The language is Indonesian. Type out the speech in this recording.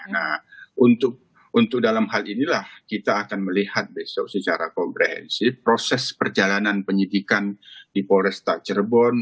nah untuk dalam hal inilah kita akan melihat besok secara komprehensif proses perjalanan penyidikan di polresta cirebon